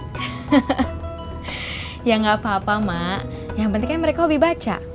hehehe ya nggak apa apa mak yang penting kan mereka hobi baca